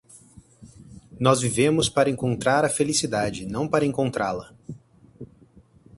Nós vivemos para encontrar a felicidade, não para encontrá-la.